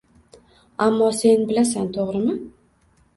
Ammo sen bilasan, to`g`rimi